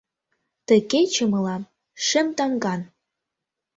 Ты кече мылам — шем тамган.